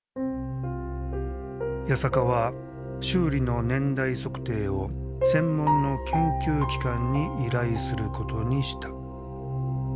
八坂は修理の年代測定を専門の研究機関に依頼することにした。